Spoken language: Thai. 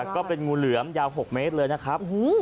ก็เป็นงูเหลือมยาว๖เมตรเลยนะครับ